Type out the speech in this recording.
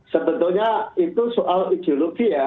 sebetulnya itu soal ideologi ya